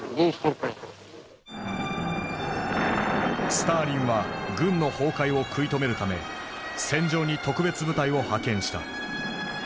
スターリンは軍の崩壊を食い止めるため戦場に特別部隊を派遣した。